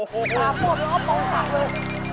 ปลาหมดแล้วออกตรงผักเลย